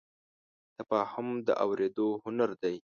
تفاهم د اورېدو هنر دی.